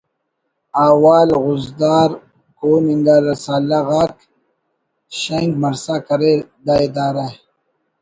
احوال خضدار کون انگا رسالہ غاک شینک مرسا کریر دا ادارہ